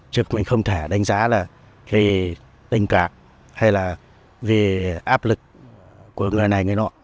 chứ mình không thể đánh giá là vì tình cảm hay là vì áp lực của người này người nọ